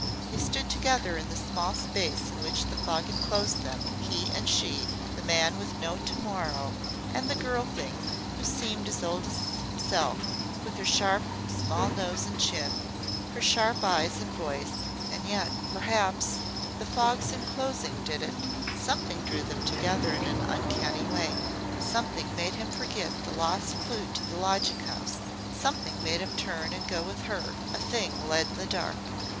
They stood together in the small space in which the fog enclosed them he and she the man with no To morrow and the girl thing who seemed as old as himself, with her sharp, small nose and chin, her sharp eyes and voice and yet perhaps the fogs enclosing did it something drew them together in an uncanny way. Something made him forget the lost clew to the lodging house something made him turn and go with her a thing led in the dark.